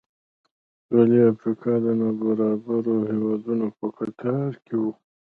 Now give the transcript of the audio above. سوېلي افریقا د نابرابرو هېوادونو په کتار کې و.